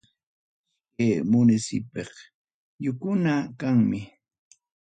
Iskay munisipyukuna kanmi.